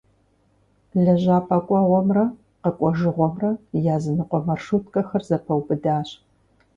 Лэжьапӏэ кӏуэгъуэмрэ къэкӏуэжыгъуэмрэ языныкъуэ маршруткэхэр зэпэубыдащ.